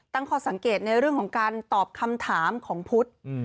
ตั้งข้อสังเกตในเรื่องของการตอบคำถามของพุทธ